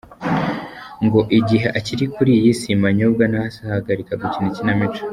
Ngo igihe akiri kuri iyi si, Manyobwa ntazahagarika gukina ikinamico.